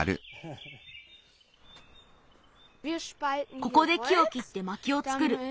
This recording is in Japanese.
ここで木をきってまきをつくる。